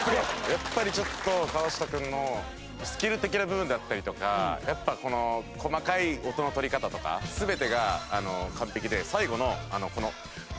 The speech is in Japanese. やっぱりちょっと河下君のスキル的な部分だったりとかこの細かい音の取り方とか全てが完璧で最後のこの。